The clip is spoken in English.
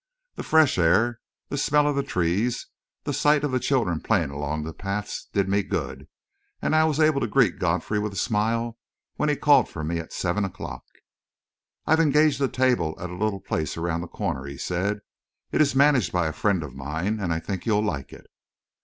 The fresh air, the smell of the trees, the sight of the children playing along the paths, did me good, and I was able to greet Godfrey with a smile when he called for me at seven o'clock. "I've engaged a table at a little place around the corner," he said. "It is managed by a friend of mine, and I think you'll like it."